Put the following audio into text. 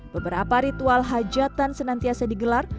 beberapa ritual hajatan senantiasa digelar